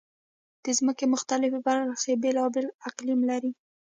د ځمکې مختلفې برخې بېلابېل اقلیم لري.